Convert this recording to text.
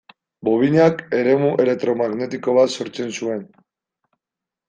Bobinak eremu elektromagnetiko bat sortzen zuen.